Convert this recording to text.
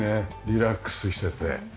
リラックスしてて。